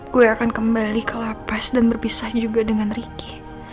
gue akan kembali ke lapas dan berpisah juga dengan ricky